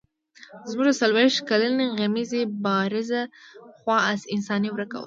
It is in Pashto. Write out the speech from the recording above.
زموږ د څلوېښت کلنې غمیزې بارزه خوا انساني ورکه وه.